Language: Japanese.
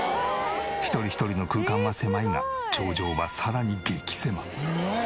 一人一人の空間は狭いが頂上はさらに激狭！